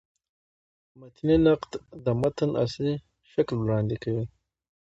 متني نقد د متن اصلي شکل وړاندي کوي.